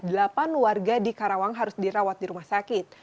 delapan warga di karawang harus dirawat di rumah sakit